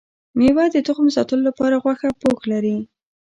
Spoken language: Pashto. ميوه د تخم ساتلو لپاره غوښه پوښ لري